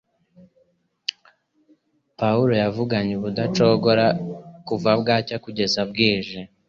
Pawulo yavuganye ubudacogora kuva bwacya kugeza bwije